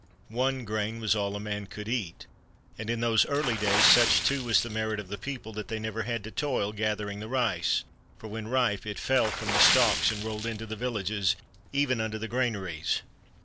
One grain was all a man could eat; and in those early days, such, too, was the merit of the people, they never had to toil gathering the rice, for, when ripe, it fell from the stalks and rolled into the villages, even unto the gran aries.